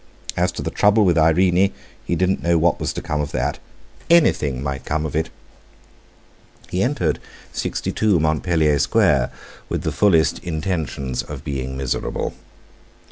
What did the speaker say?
As to the trouble with Irene, he didn't know what was to come of that—anything might come of it! He entered 62, Montpellier Square with the fullest intentions of being miserable.